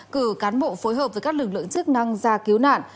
cử cán bộ phối hợp với các lực lượng chức năng ra cứu nạn